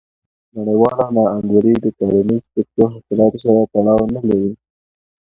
نړیواله نا انډولي د کرنیز سکتور حاصلاتو سره تړاو نه لري.